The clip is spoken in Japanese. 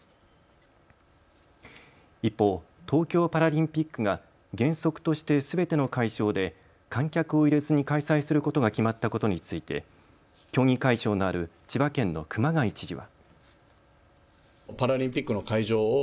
一方、東京パラリンピックが原則としてすべての会場で観客を入れずに開催することが決まったことについて競技会場のある千葉県の熊谷知事は。